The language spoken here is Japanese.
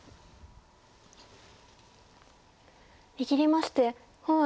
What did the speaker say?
握りまして洪爽